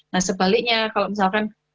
nah sebaliknya kalau misalkan